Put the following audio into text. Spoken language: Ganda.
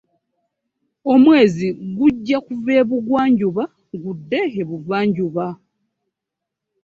Omwezi guggya kuva ebugwanjuba gudde ebuvanjuba.